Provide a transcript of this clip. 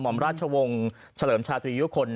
มราชวงศ์เฉลิมชาตรียุคล